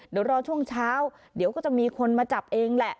เดี๋ยวรอช่วงเช้าเดี๋ยวก็จะมีคนมาจับเองแหละ